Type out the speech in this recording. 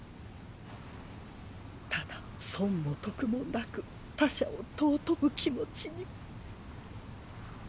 ただ損も得もなく他者を尊ぶ気持ちに。